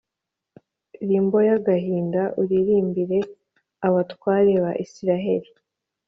rimbo y agahinda uririmbire abatware ba Isirayeli